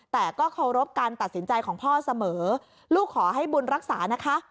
แต่ก็เคารพการตัดสินใจของพ่อเสมอลูกขอให้บุญรักษานะคะ